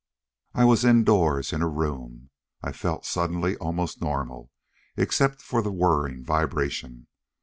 I was indoors, in a room. I felt suddenly almost normal, except for the whirring vibration.